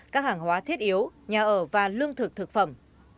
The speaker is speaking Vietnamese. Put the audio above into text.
các hàng hóa thiết yếu nhà ở và lương thực thực phẩm